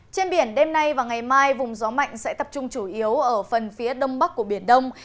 trên biển đêm nay và ngày mai vùng gió mạnh sẽ tập trung chủ yếu ở phần phía đông bắc của biển đông